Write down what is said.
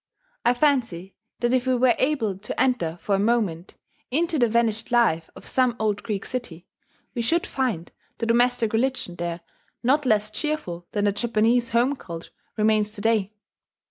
I fancy that if we were able to enter for a moment into the vanished life of some old Greek city, we should find the domestic religion there not less cheerful than the Japanese home cult remains to day.